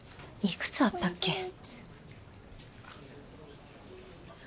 いくつあったっけ？